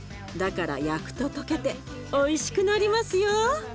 だから焼くと溶けておいしくなりますよ。